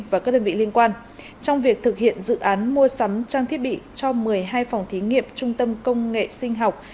và các đơn vị liên quan trong việc thực hiện dự án mua sắm trang thiết bị cho một mươi hai phòng thí nghiệm trung tâm công nghệ sinh học